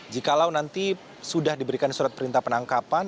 jikalau nanti sudah diberikan surat perintah penangkapan